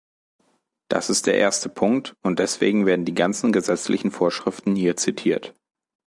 Das ist der erste Punkt, und deswegen werden die ganzen gesetzlichen Vorschriften hier zitiert.